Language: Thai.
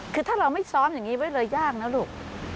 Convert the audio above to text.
คือถ้าเราไม่ซ้อมอย่างนี้ไว้เลยยากนะลูก